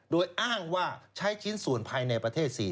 โดยอ้างว่าใช้ชิ้นส่วนภายในประเทศ๔